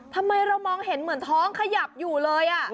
ทำไมเรามองเห็นเหมือนท้องขยับอยู่เลย